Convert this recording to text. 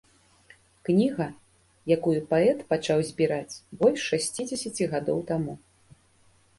Кніга, якую паэт пачаў збіраць больш шасцідзесяці гадоў таму.